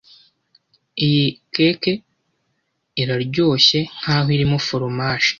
Iyi cake iraryoshye nkaho irimo foromaje.